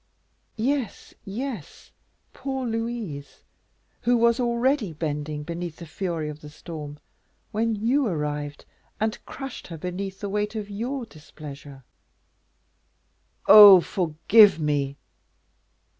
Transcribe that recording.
"Yes, yes, poor Louise, who was already bending beneath the fury of the storm, when you arrived and crushed her beneath the weight of your displeasure." "Oh! forgive me."